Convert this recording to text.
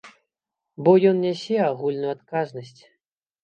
Бо ён нясе агульную адказнасць.